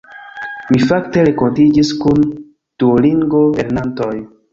Mi fakte renkontiĝis kun Duolingo-lernantoj